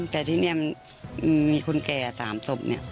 แต่ที่นี่มันมีคนแก่๓ศพ